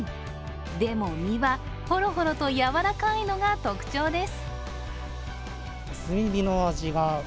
でも身はほろほろとやわらかいのが特徴です。